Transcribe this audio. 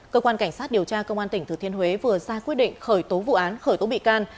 cơ quan cảnh sát điều tra công an tỉnh thừa thiên huế vừa ra quyết định khởi tố vụ án khởi tố bị can